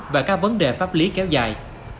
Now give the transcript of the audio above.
và các vấn đề pháp lý kéo dài